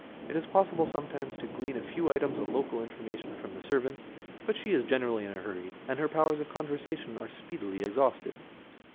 It is possible sometimes to glean a few items of local information from the servant, but she is generally in a hurry, and her powers of conversation are speedily exhausted.